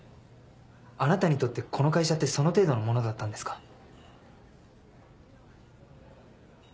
あなたにとってこの会社ってその程度のものだったんですか？